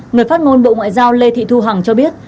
người phát ngôn bộ ngoại giao lê thị thu hằng cho biết